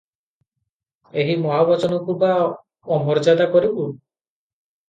ଏହି ମହାବଚନକୁ ବା ଅମର୍ଯ୍ୟାଦା କରିବୁଁ ।